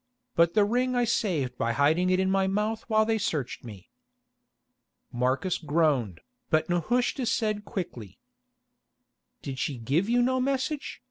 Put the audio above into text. But the ring I saved by hiding it in my mouth while they searched me." Marcus groaned, but Nehushta said quickly: "Did she give you no message?